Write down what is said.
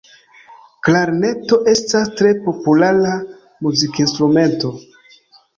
Klarneto estas tre populara muzikinstrumento.